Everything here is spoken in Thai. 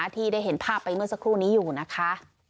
ที่ได้เห็นภาพไปเมื่อสักครู่นี้อยู่นะคะ